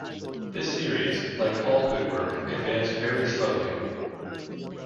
This series, like all good work, advanced very slowly.